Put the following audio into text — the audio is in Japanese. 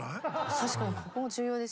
確かに。